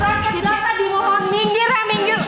rakyat selatan dimohon minggir ya minggir